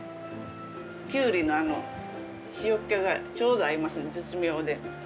キュウリの塩気がちょうど合いますね絶妙で。